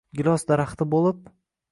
gilos daraxti boʼlib